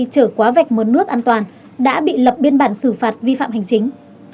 chở quá vạch mướn nước an toàn đã bị lập biên bản xử phạt vi phạm hành chính